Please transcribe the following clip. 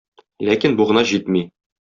Ләкин бу гына җитми.